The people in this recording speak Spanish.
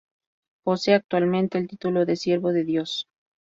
Posee actualmente el título de siervo de Dios.